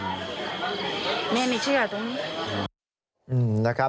การรับความคิดเห็นของหมอปอค่ะ